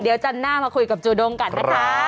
เดี๋ยวจันน่ามาคุยกับจูดงกันนะคะครับ